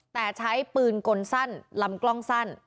แต่ใช้ปืนกลสั้นลำกล้องสั้น